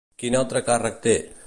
Quin altre càrrec té?